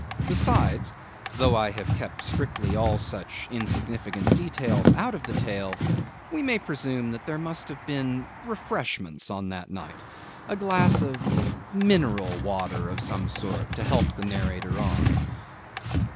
Besides though I have kept strictly all such insignificant details out of the tale we may presume that there must have been refreshments on that night, a glass of mineral water of some sort to help the narrator on.